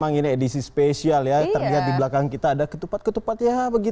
memang ini edisi spesial ya terlihat di belakang kita ada ketupat ketupat ya